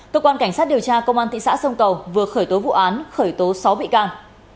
cơ quan cảnh sát điều tra công an thị xã sông cầu vừa khởi tố vụ án khởi tố sáu bị can